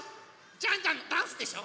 ジャンジャンのダンスでしょ？